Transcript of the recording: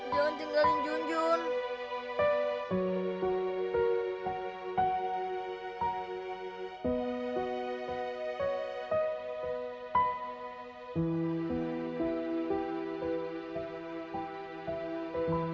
jangan tinggalin junjun